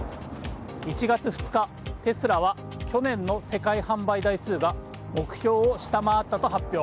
１月２日、テスラは去年の世界販売台数が目標を下回ったと発表。